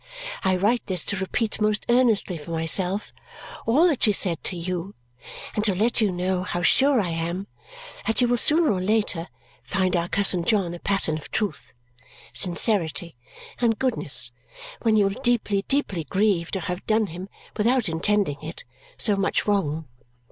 I write this to repeat most earnestly for myself all that she said to you and to let you know how sure I am that you will sooner or later find our cousin John a pattern of truth, sincerity, and goodness, when you will deeply, deeply grieve to have done him (without intending it) so much wrong.